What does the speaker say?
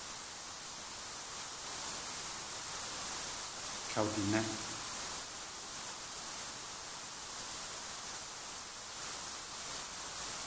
Kawdinét.